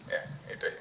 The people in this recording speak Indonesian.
ya itu itu